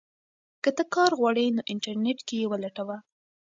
که ته کار غواړې نو انټرنیټ کې یې ولټوه.